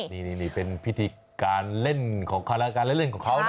นี่นี่นี่เป็นพิธีการเล่นของเขาและการเล่นเล่นของเขานะ